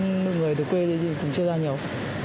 tại vì lượng người từ quê thì cũng chưa ra nhiều